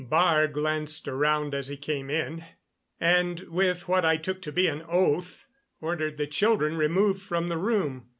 Baar glanced around as he came in, and with what I took to be an oath ordered the children removed from the room.